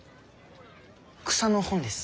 草の本です。